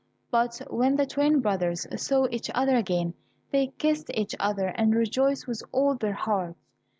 But when the twin brothers saw each other again, they kissed each other and rejoiced with all their hearts.